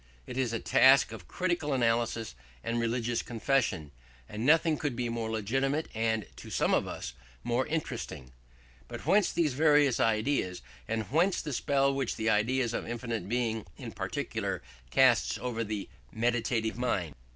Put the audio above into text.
It is a task of critical analysis and religious confession: and nothing could be more legitimate and, to some of us, more interesting. But whence these various ideas, and whence the spell which the idea of infinite Being in particular casts over the meditative mind?